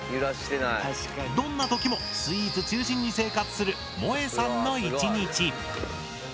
どんな時もスイーツ中心に生活するもえさんの１日。